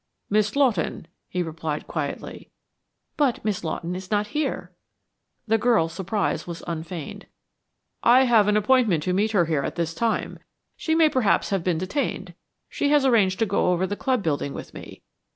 "Miss Lawton," he replied, quietly. "But Miss Lawton is not here." The girl's surprise was unfeigned. "I have an appointment to meet her here at this time. She may perhaps have been detained. She has arranged to go over the club building with me.